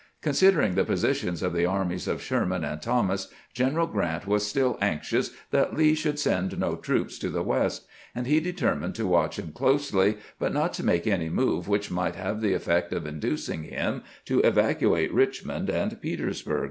Considering the positions of the armies of Sherman and Thomas, General Grant was still anxious that Lee should send no troops to the "West ; and he determined to watch him closely, but not to make any move which might have the effect of inducing him to evacuate Rich mond and Petersburg.